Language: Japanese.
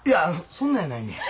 そんなんやないねん。